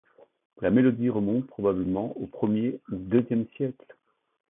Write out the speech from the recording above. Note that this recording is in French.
La mélodie remonte probablement aux premier ou deuxième siècles.